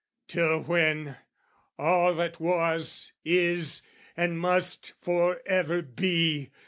Till when, All that was, is; and must for ever be.